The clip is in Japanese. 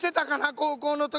高校の時。